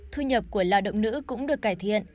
thu nhập của lao động nữ cũng được cải thiện